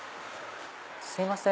すいません。